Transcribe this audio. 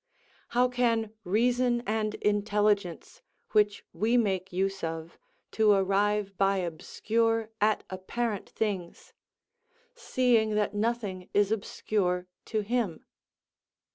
How can reason and intelligence, which we make use of, to arrive by obscure at apparent things; seeing that nothing is obscure to him?